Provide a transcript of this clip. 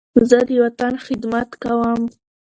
زه د وطن خدمت کوم.